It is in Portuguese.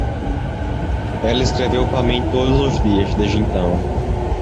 Ela escreveu para mim todos os dias desde então.